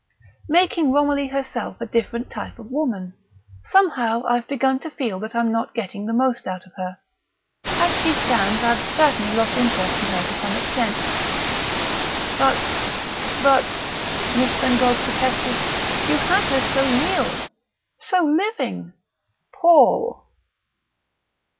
"Making Romilly herself a different type of woman. Somehow, I've begun to feel that I'm not getting the most out of her. As she stands, I've certainly lost interest in her to some extent." "But but " Miss Bengough protested, "you had her so real, so living, Paul!"